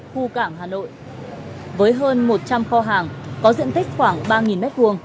khu cảng hà nội với hơn một trăm linh kho hàng có diện tích khoảng ba m hai